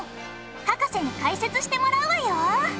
博士に解説してもらうわよ！